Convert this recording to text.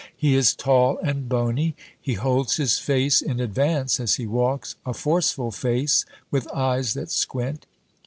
He is tall and bony. He holds his face in advance as he walks, a forceful face, with eyes that squint.